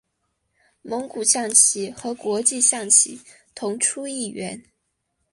蒙古象棋和国际象棋同出一源。